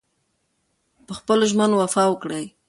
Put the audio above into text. پخپلو ژمنو وفا وکړئ.